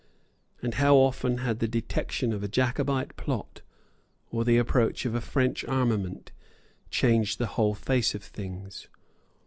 And how often had the detection of a Jacobite plot, or the approach of a French armament, changed the whole face of things.